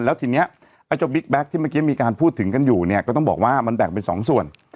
แล้วทีนี้ไอ้เจ้าบิ๊กแก๊กที่เมื่อกี้มีการพูดถึงกันอยู่เนี่ยก็ต้องบอกว่ามันแบ่งเป็นสองส่วน